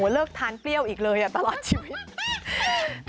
เลิกทานเปรี้ยวอีกเลยตลอดชีวิต